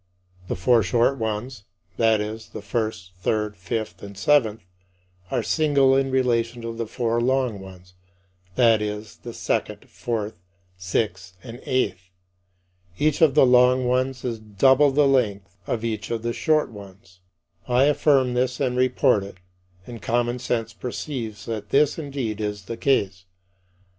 The four short ones that is, the first, third, fifth, and seventh are single in relation to the four long ones that is, the second, fourth, sixth, and eighth. Each of the long ones is double the length of each of the short ones. I affirm this and report it, and common sense perceives that this indeed is the case.